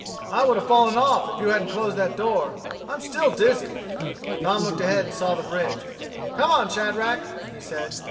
"I would have fallen off, if you hadn't closed that door. I'm still dizzy." Tom looked ahead and saw the bridge. "Come on, Shadrack," he said.